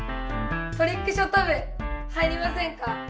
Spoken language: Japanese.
トリックショット部入りませんか？